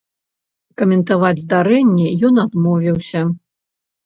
Каментаваць здарэнне ён адмовіўся.